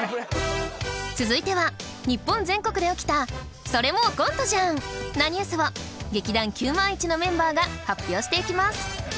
続いては日本全国で起きた「それもうコントじゃんなニュース」を劇団９０００１のメンバーが発表していきます。